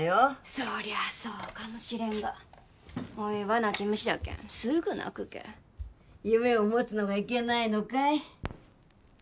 そりゃそうかもしれんがおいは泣き虫じゃけんすぐ泣くけ夢を持つのがいけないのかい？